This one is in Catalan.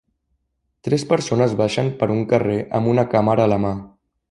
Tres persones baixen per un carrer amb una càmera a la mà.